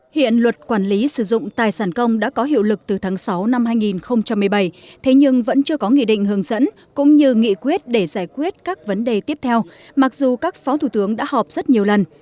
hiện luật quản lý sử dụng tài sản công đã có hiệu lực từ tháng sáu năm hai nghìn một mươi bảy thế nhưng vẫn chưa có nghị định hướng dẫn cũng như nghị quyết để giải quyết các vấn đề tiếp theo mặc dù các phó thủ tướng đã họp rất nhiều lần